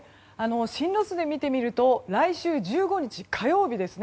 進路図で見てみると来週１５日の火曜日